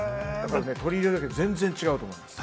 取り入れるだけで全然違うと思います。